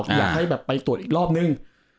อยากให้แบบไปตรวจอีกรอบนึง